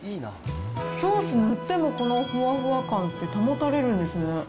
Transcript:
ソース塗ってもこのふわふわ感って保たれるんですね。